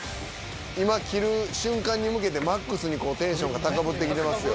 今切る瞬間に向けてマックスにテンションが高ぶってきてますよ。